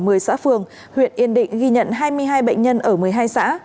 một mươi xã phường huyện yên định ghi nhận hai mươi hai bệnh nhân ở một mươi hai xã